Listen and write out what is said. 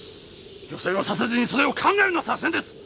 玉砕はさせずにそれを考えるのが作戦です！